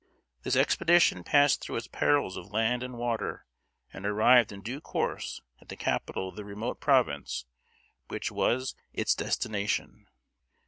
This expedition passed through its perils of land and water, and arrived in due course at the capital of the remote province which was its destination.